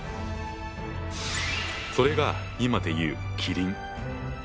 それが今で言うキリン。